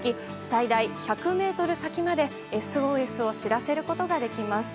最大１００ｍ先までＳＯＳを知らせることができます。